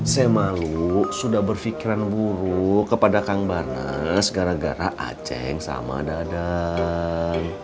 saya malu sudah berpikiran buruk kepada kang barnas gara gara a ceng sama dadah